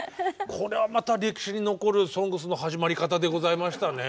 これはまた歴史に残る「ＳＯＮＧＳ」の始まり方でございましたね。